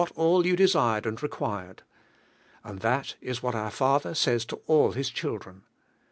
all you desired and required." And thai is what our Father says to all His children.